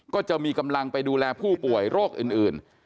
ก็จะมีกำลังไปดูแลผู้ป่วยโรคอื่น